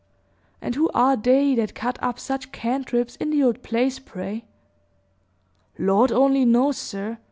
"And who are they that cut up such cantrips in the old place, pray?" "Lord only knows, sir.